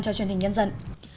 cho truyền hình nhân dân